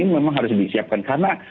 memang harus disiapkan karena